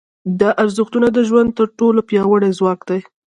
دا ارزښتونه د ژوند تر ټولو پیاوړي ځواک دي.